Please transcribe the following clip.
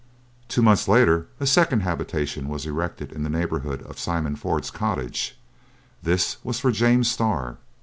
Two months later a second habitation was erected in the neighborhood of Simon Ford's cottage: this was for James Starr.